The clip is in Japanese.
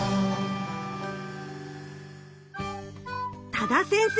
多田先生